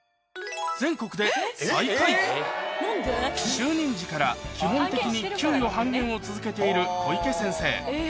就任時から基本的に給与半減を続けている小池先生